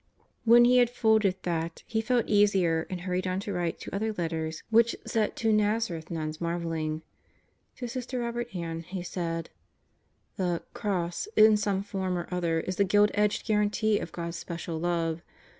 When he had folded that he felt easier and hurried on to write two other letters which set two Nazareth nuns marveling. To Sister Robert Ann he said: The "cross" in some form or other is the gilt edged guarantee of God's special love.